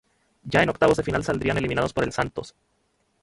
Ya en octavos de final saldrían eliminados por el Santos.